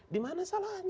di mana salahannya